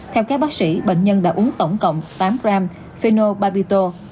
theo các bác sĩ bệnh nhân đã uống tổng cộng tám gram phenol babito